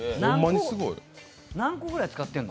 何個くらい使ってるの？